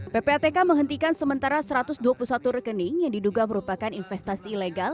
ppatk menghentikan sementara satu ratus dua puluh satu rekening yang diduga merupakan investasi ilegal